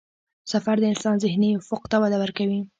سفر د انسان ذهني افق ته وده ورکوي.